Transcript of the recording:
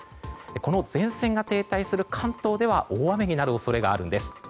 この前線が停滞する関東では大雨になる恐れがあるんです。